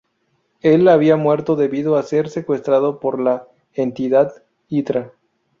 Él había muerto debido a ser secuestrado por la entidad Hydra.